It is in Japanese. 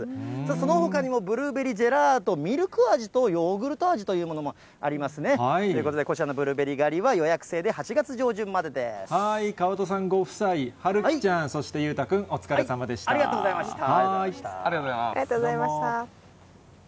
そのほかにもブルーベリージェラート、ミルク味とヨーグルト味というものもありますね。ということで、こちらのブルーベリー狩りは、予約制で８月上旬ま川戸さんご夫妻、遥樹ちゃん、ありがとうございました。